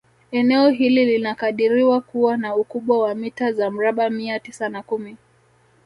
Eneo hili linakadiriwa kuwa na ukubwa wa mita za mraba mia tisa na kumi